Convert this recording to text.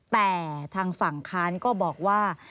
แต่ทางฝั่งค้านก็บอกว่า